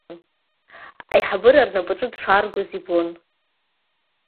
Аиҳабыра рнапаҿы дшааргоз ибон.